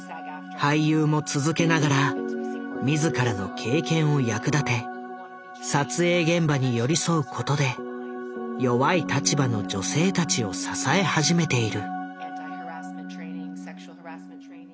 俳優も続けながら自らの経験を役立て撮影現場に寄り添うことで弱い立場の女性たちを支え始めている。